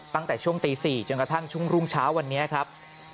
ตั้งแต่ช่วงตี๔จนกระทั่งช่วงรุ่งเช้าวันนี้ครับ